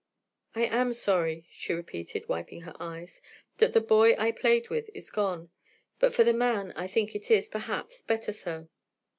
I am sorry," she repeated, wiping her eyes, "that the boy I played with is gone, but for the man, I think it is, perhaps, better so.